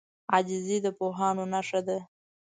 عاجزي د پوهانو نښه ده.